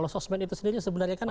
sosmed itu sendiri sebenarnya kan